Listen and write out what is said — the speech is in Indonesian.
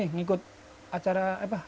ngikut acara apa